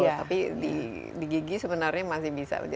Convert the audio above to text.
tapi di gigi sebenarnya masih bisa